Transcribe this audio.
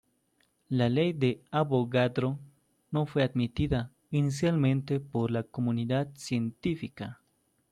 La ley de Avogadro no fue admitida inicialmente por la comunidad científica.